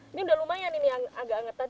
ini udah lumayan ini yang agak hangat tadi